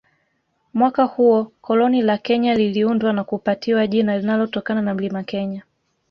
Mwaka huo koloni la Kenya liliundwa na kupatiwa jina linalotokana na Mlima Kenya